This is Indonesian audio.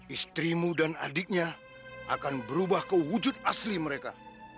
istrimu dan adiknya akan berubah ke wujud asli mereka